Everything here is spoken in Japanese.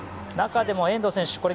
中でも遠藤選手。